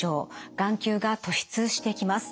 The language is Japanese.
眼球が突出してきます。